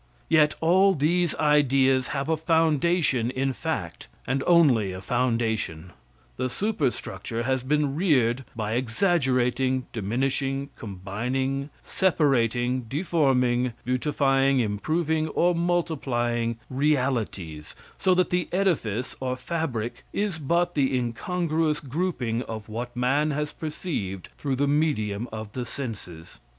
Yet all these ideas have a foundation in fact, and only a foundation. The superstructure has been reared by exaggerating, diminishing, combining, separating, deforming, beautifying, improving or multiplying realities, so that the edifice or fabric is but the incongruous grouping of what man has perceived through the medium of the senses.